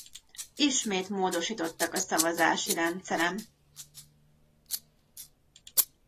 Ismét módosítottak a szavazási rendszeren.